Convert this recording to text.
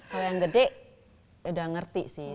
kalau yang gede udah ngerti sih